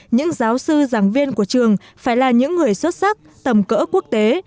những giáo sư giảng viên của trường phải là những người xuất sắc tầm cỡ quốc tế